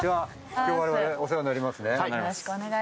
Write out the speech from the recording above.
今日は我々お世話になりますね。